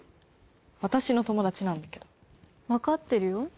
私の友達なんだけど分かってるよ